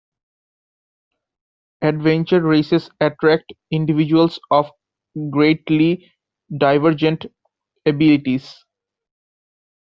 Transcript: Adventure races attract individuals of greatly divergent abilities.